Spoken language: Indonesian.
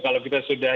kalau kita sudah